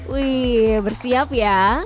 wih bersiap ya